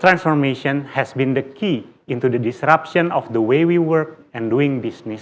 transformasi digital adalah kunci dalam kegagalan cara kita bekerja dan bisnis